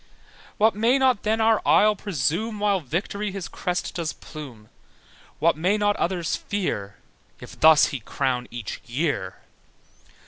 What may not then our isle presume While Victory his crest does plume? What may not others fear If thus he crowns each year?